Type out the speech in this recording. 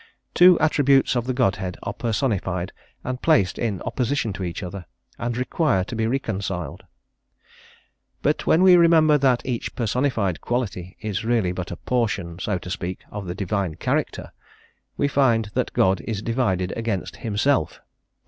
Two attributes of the Godhead are personified and placed in opposition to each other, and require to be reconciled. But when we remember that each personified quality is really but a portion, so to speak, of the Divine character, we find that God is divided against Himself.